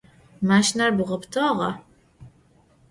Maşşiner bğapıtağa?